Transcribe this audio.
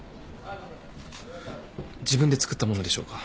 自分で作ったものでしょうか。